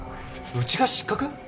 うちが失格！？